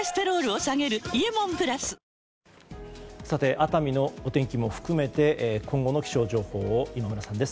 熱海のお天気も含めて今後の気象情報を今村さんです。